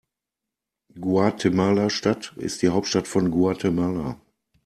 Guatemala-Stadt ist die Hauptstadt von Guatemala.